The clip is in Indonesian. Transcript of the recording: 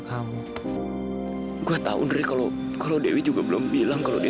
kamu juga jangan ikut campur ya